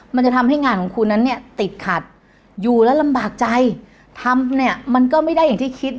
มันจะทำให้งานของคุณนั้นเนี่ยติดขัดอยู่แล้วลำบากใจทำเนี่ยมันก็ไม่ได้อย่างที่คิด